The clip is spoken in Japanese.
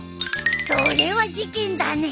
それは事件だね。